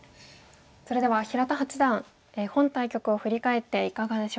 それでは平田八段本対局を振り返っていかがでしょうか？